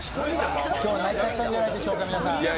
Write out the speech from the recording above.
今日は泣いちゃったんじゃないでしょうか、皆さん。